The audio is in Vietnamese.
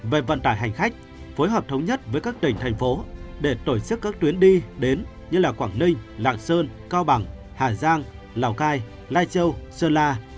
về vận tải hành khách phối hợp thống nhất với các tỉnh thành phố để tổ chức các tuyến đi đến như quảng ninh lạng sơn cao bằng hà giang lào cai lai châu sơn la